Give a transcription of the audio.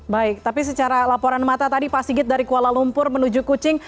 baik tapi secara laporan mata tadi pak sigit dari kuala lumpur menuju kucing